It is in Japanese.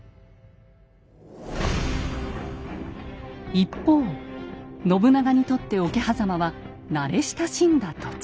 一方信長にとって桶狭間は慣れ親しんだ土地。